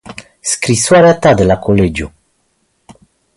Scrisoarea ta de la colegiu.